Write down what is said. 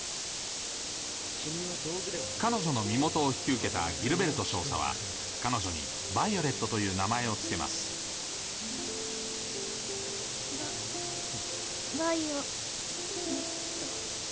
彼女の身元を引き受けたギルベルト少佐は彼女にヴァイオレットという名前を付けますヴァヴァイオレット。